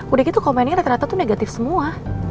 udah gitu komennya ternyata tuh negatif semua